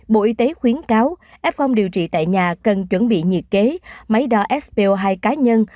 bộ y tế khuyến cáo f điều trị tại nhà cần chuẩn bị nhiệt kế máy đo sp hai cá nhân